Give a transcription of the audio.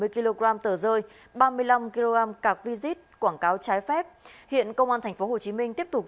bốn mươi kg tờ rơi ba mươi năm kg cạc visit quảng cáo trái phép hiện công an thành phố hồ chí minh tiếp tục